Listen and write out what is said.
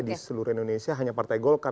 di seluruh indonesia hanya partai golkar